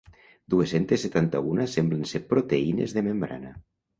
Dues-cents setanta-una semblen ser proteïnes de membrana.